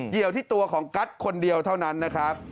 ี่ยวที่ตัวของกัสคนเดียวเท่านั้นนะครับ